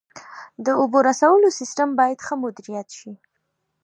د اوبو رسولو سیستم باید ښه مدیریت شي.